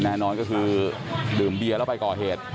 แน่นอนก็คือดื่มเบียร์แล้วไปก่อเหตุ